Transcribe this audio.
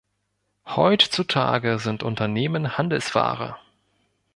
Heutzutage sind Unternehmen Handelsware.